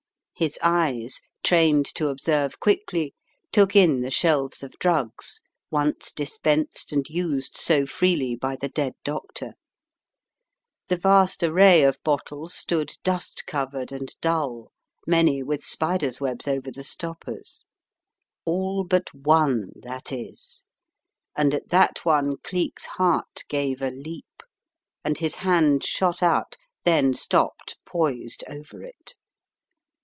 His eyes, trained to observe quickly, took in the shelves of drugs, once dispensed and used so freely by the dead doctor. The vast array of bottles stood dust covered and dull, many with spider's webs over the stoppers. All but one, that is, and at that ome Cleek's heart gave a leap, and his hand shot out, then stopped poised over it.